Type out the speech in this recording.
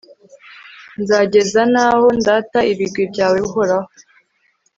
nzageza n'aho ndata ibigwi byawe, uhoraho